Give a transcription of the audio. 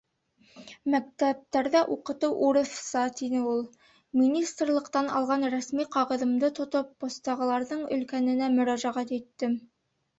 — Мәктәптәрҙә уҡытыу урыҫса, — тине ул. Министрлыҡтан алған рәсми ҡағыҙымды тотоп, постағыларҙың өлкәненә мөрәжәғәт иттем.